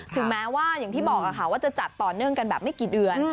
ถึงแม้ว่าอย่างที่บอกว่าจะจัดต่อเนื่องกันแบบไม่กี่เดือน